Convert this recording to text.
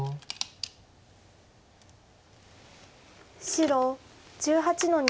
白１８の二。